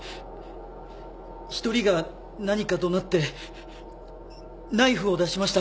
一人が何か怒鳴ってナイフを出しました。